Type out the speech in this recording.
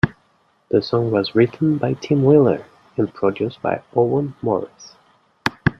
The song was written by Tim Wheeler and produced by Owen Morris.